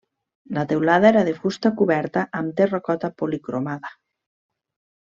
La teulada era de fusta coberta amb terracota policromada.